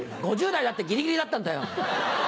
５０代だってギリギリだったんだよ。